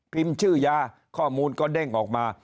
ชื่อยาข้อมูลก็เด้งออกมา